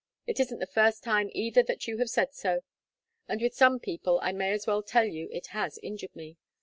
It isn't the first time either that you have said so, and with some people, I may as well tell you it has injured me."